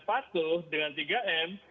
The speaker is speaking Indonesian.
patuh dengan tiga m